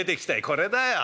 これだよ。